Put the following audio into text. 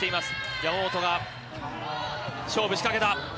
山本が勝負仕掛けた。